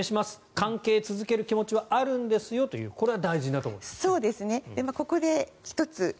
関係を続ける気持ちはあるんですよと伝えるこれは大事なことですね。